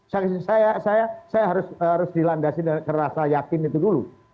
saya harus dilandasi dan terasa yakin itu dulu